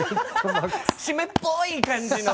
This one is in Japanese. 湿っぽい感じの。